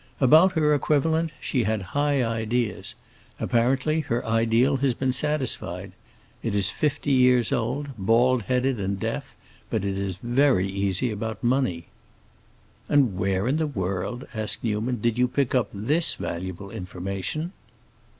About her equivalent she had high ideas. Apparently her ideal has been satisfied. It is fifty years old, bald headed, and deaf, but it is very easy about money." "And where in the world," asked Newman, "did you pick up this valuable information?"